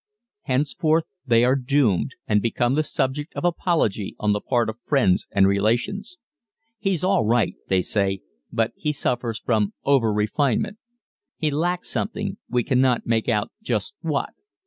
Henceforth they are doomed and become the subject of apology on the part of friends and relations. "He's all right," they say, "but he suffers from over refinement." He lacks something we cannot make out just what.